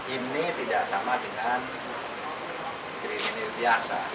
ini tidak sama dengan krim ini biasa